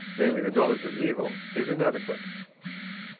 namely, the knowledge of evil, is inadequate.